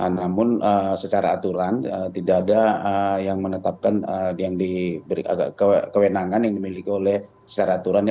namun secara aturan tidak ada yang menetapkan yang diberi kewenangan yang dimiliki oleh secara aturannya